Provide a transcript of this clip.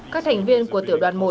các thành viên của tiểu đoàn một